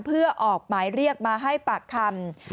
เพื่อออกหมายเรียกมาให้ปากคำ